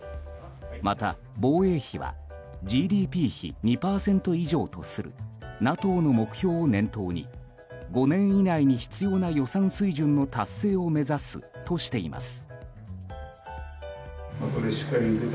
また、防衛費はＧＤＰ比２％以上とするＮＡＴＯの目標を念頭に５年以内に必要な予算水準の達成を目指すとしています。